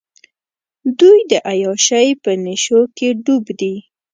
دوۍ د عیاشۍ په نېشوکې ډوب دي.